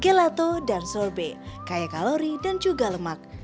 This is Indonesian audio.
gelato dan sorbet kaya kalori dan juga lemak